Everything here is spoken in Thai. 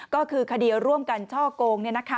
ก็คือคดีร่วมกันช่อกง